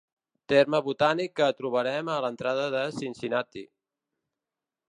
Terme botànic que trobarem a l'entrada de Cincinnatti.